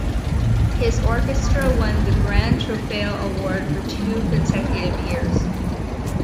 His orchestra won the "Gran Trofeo Award" for two consecutive years.